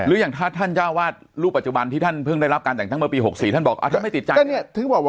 หรืออย่างถ้าท่านจะวาดรูปปัจจุบันที่ท่านเพิ่งได้รับการจังทั้งเมื่อปี๖๔